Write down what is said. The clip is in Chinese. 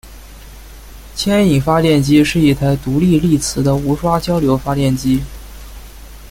牵引发电机是一台独立励磁的无刷交流发电机。